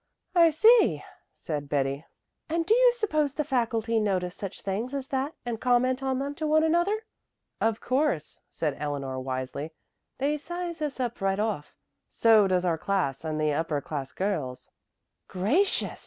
"I see," said Betty. "And do you suppose the faculty notice such things as that and comment on them to one another?" "Of course," said Eleanor wisely. "They size us up right off. So does our class, and the upper class girls." "Gracious!"